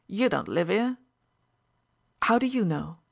You don't live 'ere." "How do you know?"